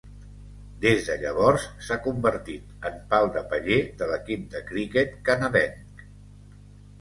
Des de llavors s'ha convertit en pal de paller de l'equip de criquet canadenc.